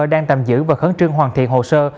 đang tạm giữ và khẩn trương hoàn thiện hồ sơ